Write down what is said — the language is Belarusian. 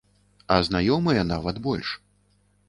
А знаёмыя нават больш.